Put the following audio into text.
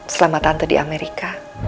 selamat tante di amerika